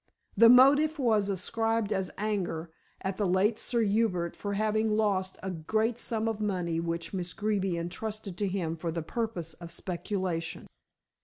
The motive was ascribed as anger at the late Sir Hubert for having lost a great sum of money which Miss Greeby entrusted to him for the purpose of speculation."